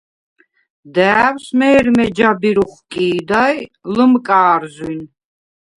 და̄̈ვს მე̄რმე ჯაბირ ოხკი̄და ი ლჷმკა̄რზვინ.